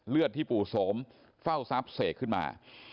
เลือดที่ปู่โสมเฝ้าทรัพย์เสกขึ้นมา